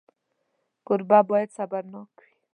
کوربه باید صبرناک وي.